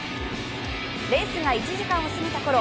レースが１時間を過ぎたころ